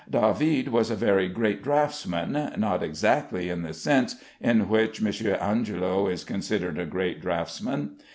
David was a very great draughtsman, not exactly in the sense in which M. Angelo is considered a great draughtsman.